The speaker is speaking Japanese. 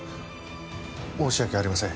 申し訳ありません。